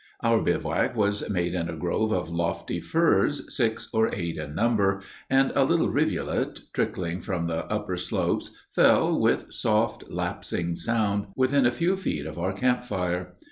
Our bivouac was made in a grove of lofty firs, six or eight in number; and a little rivulet, trickling from the upper slopes, fell, with soft, lapsing sound, within a few feet of our camp fire.